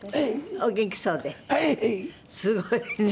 すごいね。